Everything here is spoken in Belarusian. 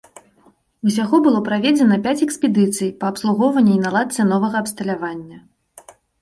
Усяго было праведзена пяць экспедыцый па абслугоўванні і наладцы новага абсталявання.